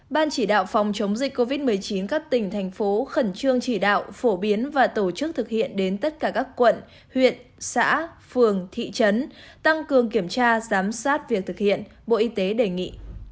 ban chỉ đạo phòng chống dịch covid một mươi chín các tỉnh thành phố khẩn trương chỉ đạo phổ biến và tổ chức thực hiện đến tất cả các quận huyện xã phường thị trấn tăng cường kiểm tra giám sát việc thực hiện bộ y tế đề nghị